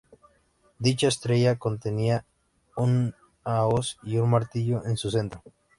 Dicha estrella contenía una hoz y un martillo en su centro.